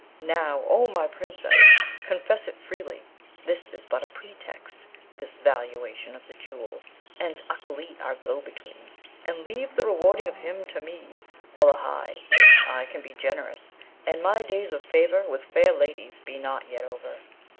Now, O my Princess, confess it freely this is but a pretext, this valuation of the Jewel, and Ukleet our go between; and leave the rewarding of him to me. Wullahy! I can be generous, and my days of favour with fair ladies be not yet over.